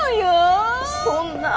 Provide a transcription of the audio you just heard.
そんな。